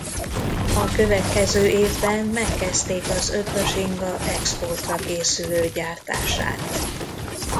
A következő évben megkezdték az Eötvös-inga exportra készülő gyártását.